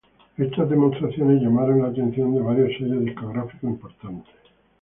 Estas demostraciones llamaron la atención de varios sellos discográficos importantes.